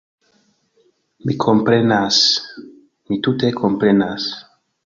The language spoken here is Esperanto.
Mi komprenas... mi tute komprenas